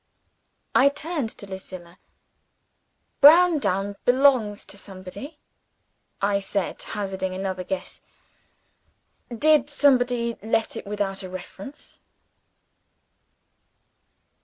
I turned to Lucilla. "Browndown belongs to Somebody," I said hazarding another guess. "Did Somebody let it without a reference?"